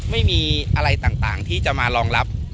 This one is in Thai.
ไม่มีอะไรต่างที่จะมารองรับ